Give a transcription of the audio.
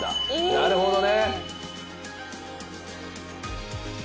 なるほどね。